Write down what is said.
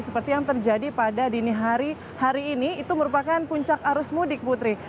seperti yang terjadi pada dini hari hari ini itu merupakan puncak arus mudik putri